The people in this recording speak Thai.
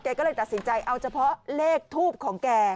ก็เลยตัดสินใจเอาเฉพาะเลขทูปของแก